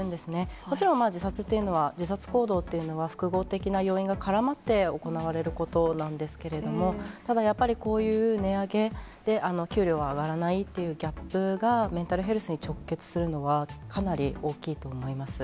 もちろん、自殺というのは、自殺行動っていうのは、複合的な要因が絡まって行われることなんですけれども、ただやっぱり、こういう値上げで給料は上がらないというギャップが、メンタルヘルスに直結するのは、かなり大きいと思います。